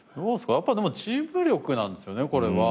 やっぱでもチーム力なんですよねこれは。